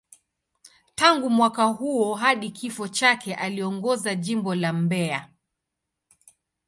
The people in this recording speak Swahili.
Tangu mwaka huo hadi kifo chake, aliongoza Jimbo la Mbeya.